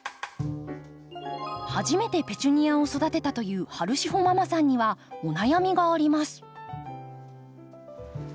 初めてペチュニアを育てたというはるしほママさんにはお悩みがあります。